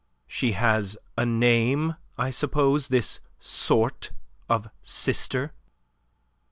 She has a name, I suppose, this sort of sister?"